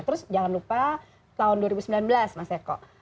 terus jangan lupa tahun dua ribu sembilan belas mas eko